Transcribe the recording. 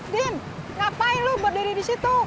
din ngapain lu berdiri disitu